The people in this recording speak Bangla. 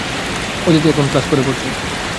অদিতি এখন ক্লাস ফোরে পড়ছে।